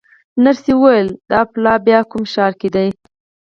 نرسې وویل: دا پلاوا بیا په کوم ښار کې ده؟